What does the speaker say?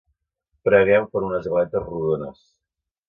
Pregueu per unes galetes rodones.